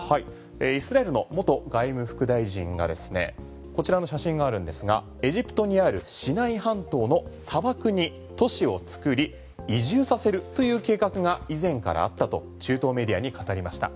イスラエルの元外務副大臣がこちらの写真があるんですがエジプトにあるシナイ半島の砂漠に都市を作り移住させるという計画が以前からあったと中東メディアに語りました。